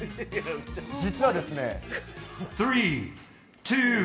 実はですね